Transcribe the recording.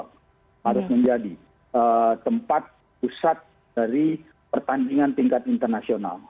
harus menjadi tempat pusat dari pertandingan tingkat internasional